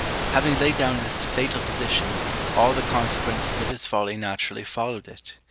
Having laid down this fatal position, all the consequences of his folly naturally followed it.